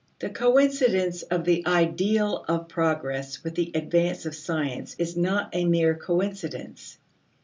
The coincidence of the ideal of progress with the advance of science is not a mere coincidence.